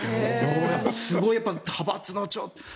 すごい、派閥の長って。